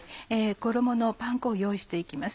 衣のパン粉を用意していきます。